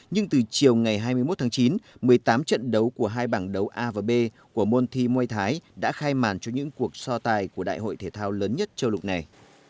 nhưng từ chiều ngày hai mươi một tháng chín một mươi tám trận đấu của hai bảng đấu a và b của môn thi mô thái đã khai màn cho những cuộc so tài của đại hội thể thao lớn nhất châu lục này